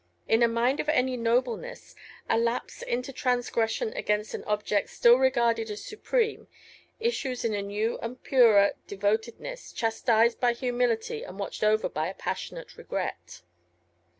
In a mind of any nobleness, a lapse into transgression against an object still regarded as supreme, issues in a new and purer devotedness, chastised by humility and watched over by a passionate regret.